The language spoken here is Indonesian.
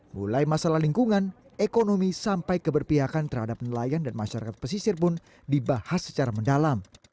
mulai masalah lingkungan ekonomi sampai keberpihakan terhadap nelayan dan masyarakat pesisir pun dibahas secara mendalam